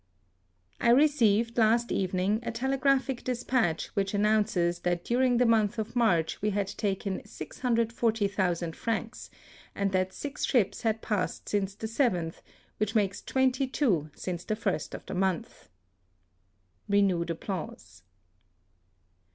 I received, last evening, a telegraphic despatch which announces that during the month of March we had taken 640,000 francs, and that six ships had passed since the 7th, which makes twenty two since the 1st of the month. *^^ (Renewed applause.)